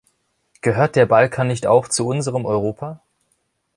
Gehört der Balkan nicht auch zu unserem Europa?